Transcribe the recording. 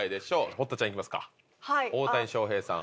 堀田ちゃんいきますか大谷翔平さん